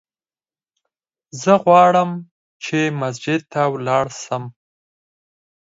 زه غواړم چې مسجد ته ولاړ سم!